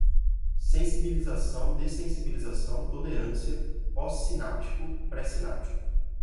sensibilização, dessensibilização, tolerância, pós-sináptico, pré-sináptico